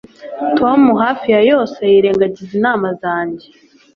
Tom hafi ya yose yirengagiza inama zanjye